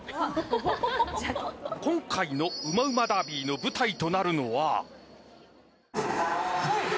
今回のうまうまダービーの舞台となるのは。